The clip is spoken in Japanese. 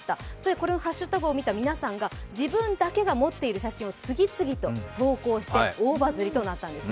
このハッシュタグを見た皆さんが自分だけが持っている写真を次々と投稿して大バズリとなったんです。